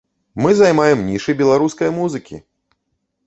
Мы займаем нішы беларускай музыкі!